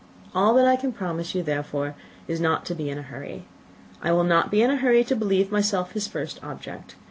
All that I can promise you, therefore, is not to be in a hurry. I will not be in a hurry to believe myself his first object.